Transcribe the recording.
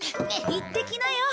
行ってきなよ。